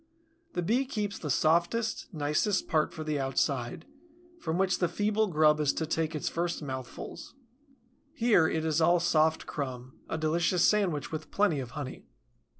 The Bee keeps the softest, nicest part for the outside, from which the feeble grub is to take its first mouthfuls. Here it is all soft crumb, a delicious sandwich with plenty of honey.